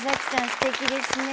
すてきですね。